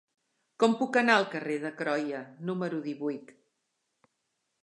Com puc anar al carrer de Croia número divuit?